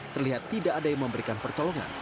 terlihat tidak ada yang memberikan pertolongan